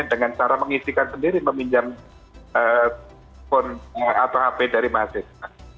dengan cara mengisikan sendiri meminjam atau hp dari mahasiswa